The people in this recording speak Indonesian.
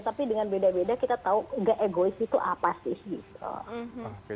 tapi dengan beda beda kita tahu gak egois itu apa sih gitu